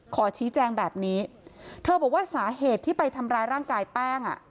ขอชี้แจงแบบนี้เธอบอกว่าสาเหตุที่ไปทำร้ายร่างกายแป้งอ่ะ